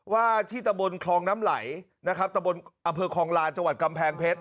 ว่าที่ตะบนคลองน้ำไหลนะครับตะบนอำเภอคลองลานจังหวัดกำแพงเพชร